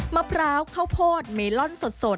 มะพร้าวข้าวโพดเมลอนสด